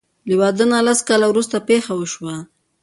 له واده نه لس کاله وروسته پېښه وشوه.